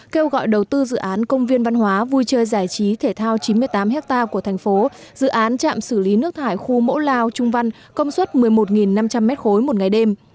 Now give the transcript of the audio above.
kêu gọi đầu tư dự án công viên văn hóa vui chơi giải trí thể thao chín mươi tám ha của thành phố dự án trạm xử lý nước thải khu mẫu lao trung văn công suất một mươi một năm trăm linh m ba một ngày đêm